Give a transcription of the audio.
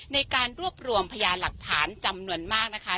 ในการรวบรวมพยานหลักฐานจำนวนมากนะคะ